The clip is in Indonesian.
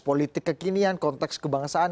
politik kekinian konteks kebangsaan